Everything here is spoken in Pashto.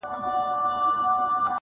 چي هر ځای به څو مرغان سره جرګه سوه٫